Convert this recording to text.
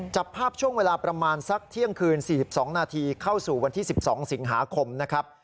จับภาพช่วงเวลาประมาณสักเที่ยงคืน๔๒นาทีเข้าสู่วันที่๑๒สิงหาคมนะครับ